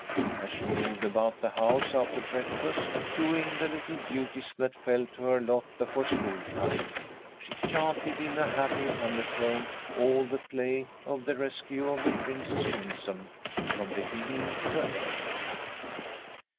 As she moved about the house after breakfast, doing the little duties that fell to her lot before school time, she chanted in a happy undertone all the play of the "Rescue of the Princess Winsome," from beginning to end.